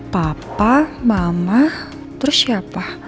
papa mama terus siapa